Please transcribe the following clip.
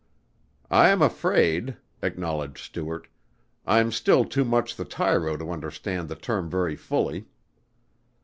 "I'm afraid," acknowledged Stuart, "I'm still too much the tyro to understand the term very fully."